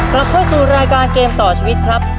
กลับเข้าสู่รายการเกมต่อชีวิตครับ